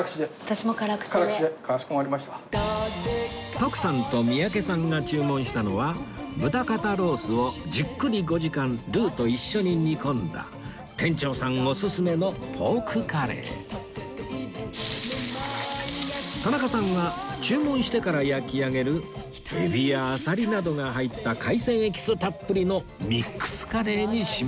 徳さんと三宅さんが注文したのは豚肩ロースをじっくり５時間ルーと一緒に煮込んだ店長さんおすすめの田中さんは注文してから焼き上げるエビやアサリなどが入った海鮮エキスたっぷりのミックスカレーにしました